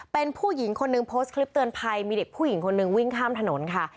เป็นผู้หญิงคนนึงโพสต์คลิปเตือนภัยมีเด็กผู้หญิงคนนึงวิ่งข้ามถนนค่ะ